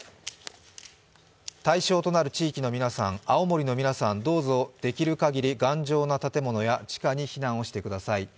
対象となる地域の皆さん、青森の皆さん、どうぞできる限り頑丈な建物や地下に避難をしてください。